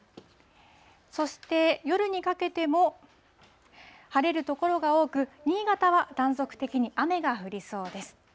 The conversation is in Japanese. そして夜にかけても、晴れる所が多く、新潟は断続的に雨が降りそうです。